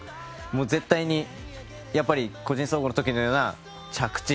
絶対にやっぱり個人総合の時のような着地。